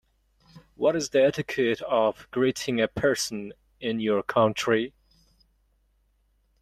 What is the etiquette of greeting a person in your country?